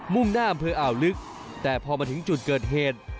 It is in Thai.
่งหน้าอำเภออ่าวลึกแต่พอมาถึงจุดเกิดเหตุ